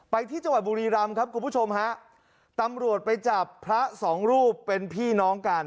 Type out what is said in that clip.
ไปที่จังหวัดบุรีรำครับคุณผู้ชมฮะตำรวจไปจับพระสองรูปเป็นพี่น้องกัน